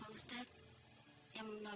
pak saya kenal dia